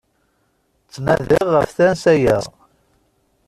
Ttnadiɣ ɣef tansa-ya!